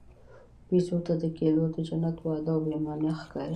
بیزو ته د کیلو د جنت وعده بېمعنی ښکاري.